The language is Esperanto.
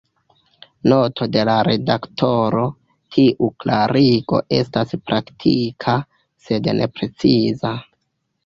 Noto de la redaktoro: Tiu klarigo estas praktika, sed ne preciza.